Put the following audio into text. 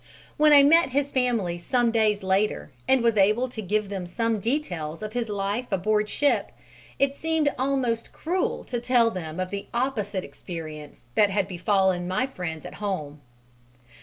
When I met his family some days later and was able to give them some details of his life aboard ship, it seemed almost cruel to tell them of the opposite experience that had befallen my friends at home.